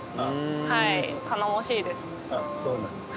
そうなんですか。